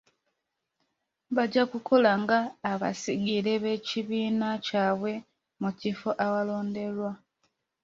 Bajja kukola nga abasigire b'ekibiina kyabwe mu kifo awalonderwa.